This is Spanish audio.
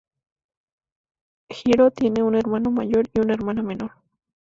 Hero tiene un hermano mayor y una hermana menor.